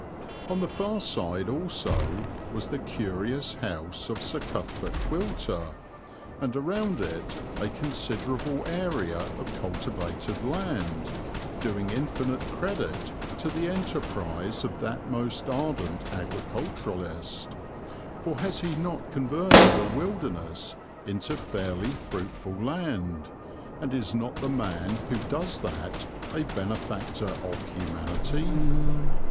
On the far side also was the curious house of Sir Cuthbert Quilter, and around it a considerable area of cultivated land, doing infinite credit to the enterprise of that most ardent agriculturist; for has he not converted a wilderness into fairly fruitful land, and is not the man who does that a benefactor of humanity?